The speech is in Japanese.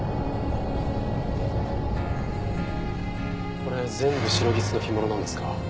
これ全部シロギスの干物なんですか？